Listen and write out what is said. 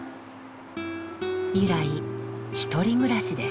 以来１人暮らしです。